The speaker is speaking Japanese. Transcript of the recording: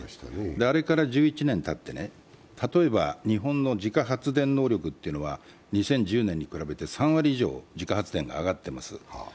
あれから１１年たって、例えば日本の自家発電能力は２０１０年に比べて３割程度、自家発電が上がっています。